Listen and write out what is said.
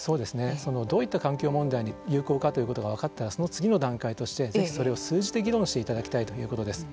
どういった環境問題に有効かということが分かったらその次の段階として是非それを数字で議論していただきたいということです。